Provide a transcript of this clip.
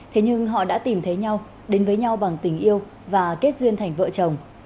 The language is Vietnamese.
thế nhưng họ đã tìm thấy nhau đến với nhau bằng tình yêu và kết duyên thành vợ chồng